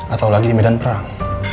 atau lagi di medan perang